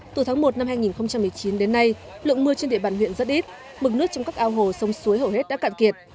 từ tháng một năm hai nghìn một mươi chín đến nay lượng mưa trên địa bàn huyện rất ít mực nước trong các ao hồ sông suối hầu hết đã cạn kiệt